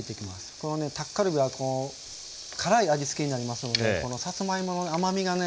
このタッカルビは辛い味付けになりますのでさつまいもの甘みがね